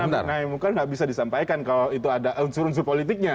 amar ma'rup nahimungkar nggak bisa disampaikan kalau itu ada unsur unsur politiknya